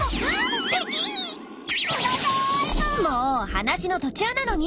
話の途中なのに。